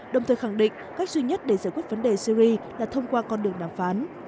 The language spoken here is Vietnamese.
đồng thời khẳng định cách duy nhất để giải quyết vấn đề syri là thông qua con đường đàm phán